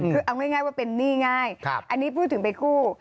คือเอาง่ายว่าเป็นหนี้ง่ายอันนี้พูดถึงไปกู้